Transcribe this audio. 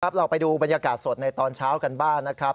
เราไปดูบรรยากาศสดในตอนเช้ากันบ้างนะครับ